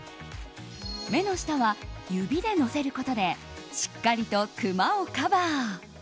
目の下は指でのせることでしっかりとクマをカバー。